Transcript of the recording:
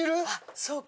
そうか。